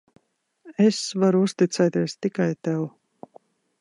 Es varu uzticēties tikai tev.